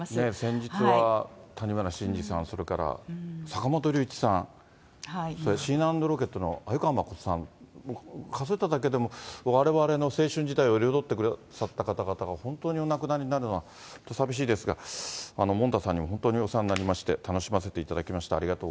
先日は、谷村新司さん、それから坂本龍一さん、シーナ＆ロケッツのあゆかわまことさん、数えただけでもわれわれの青春時代を彩ってくださった方々が本当にお亡くなりになるのが寂しいですが、もんたさんにも本当にお世話になりまして、楽しませていただきました。